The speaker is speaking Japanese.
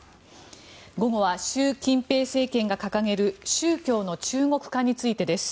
午後は習近平政権が掲げる宗教の中国化についてです。